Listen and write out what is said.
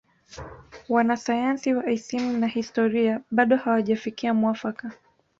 Wanasayansi wa isimu na historia bado hawajafikia mwafaka